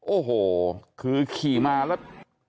โอ้โหคือขี่มาแล้ว